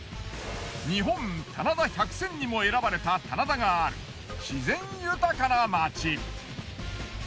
日本棚田１００選にも選ばれた棚田がある自然豊かな町。